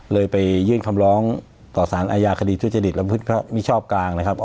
เลยไปยื่นคำร้องต่อสารอาญาคดีชุดจดิตและพฤติภาพมิชชอบกลางนะครับครับ